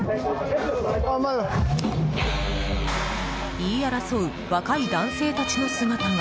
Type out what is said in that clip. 言い争う若い男性たちの姿が。